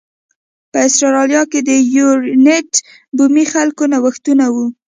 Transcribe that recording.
په اسټرالیا کې د یر یورونټ بومي خلکو نوښتونه و